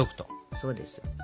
そうです。